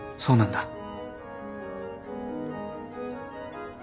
そうなんだ。